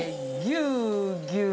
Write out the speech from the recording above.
◆ぎゅうぎゅう。